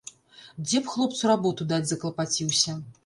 Дзе б хлопцу работу даць заклапаціўся.